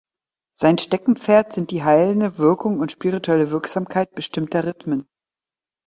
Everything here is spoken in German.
Sein Steckenpferd sind die heilende Wirkung und spirituelle Wirksamkeit bestimmter Rhythmen.